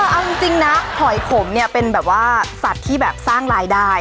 เออเอ้าจริงนะหอยขมเนี่ยเป็นสัตว์ที่สร้างรายได้